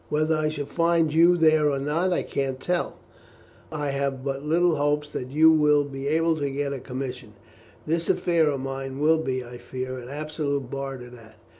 "Whether I shall find you there or not I can't tell. I have but little hope that you will be able to get a commission. This affair of mine will be, I fear, an absolute bar to that.